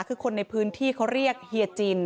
คือคนในพื้นที่เขาเรียกเฮียจิน